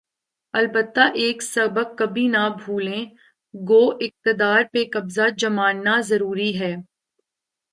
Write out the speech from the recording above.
البتہ ایک سبق کبھی نہ بھولے‘ گو اقتدار پہ قبضہ جمانا ضروری ہے۔